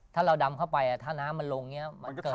ถ้าเราดำเข้าไปถ้าน้ำมันลงมันเกิดอันตราย